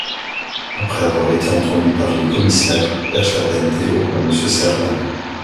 Après avoir été entendus par les commissaires, Verstappen et Ocon se serrent la main.